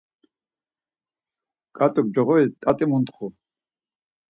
Ǩat̆uk coğoris tati muntxu.